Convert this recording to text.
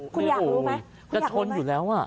คุณอยากรู้ไหมคุณอยากรู้ไหมกระท้อนอยู่แล้วอ่ะ